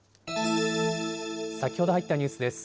先ほど入ったニュースです。